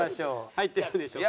入ってるんでしょうか？